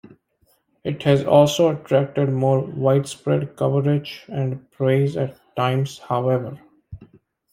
It has also attracted more widespread coverage and praise at times, however.